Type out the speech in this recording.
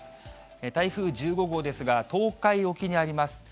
台風１５号ですが、東海沖にあります。